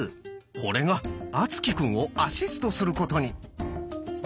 これが敦貴くんをアシストすることに。